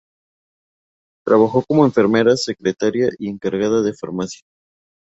Trabajó como enfermera, secretaria y encargada de farmacia.